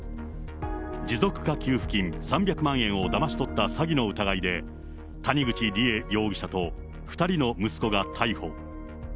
持続化給付金３００万円をだまし取った詐欺の疑いで、谷口梨恵容疑者と２人の息子が逮捕。